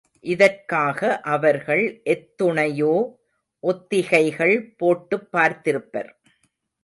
இதற்காக அவர்கள் எத்துணையோ ஒத்திகைகள் போட்டுப் பார்த்திருப்பர்.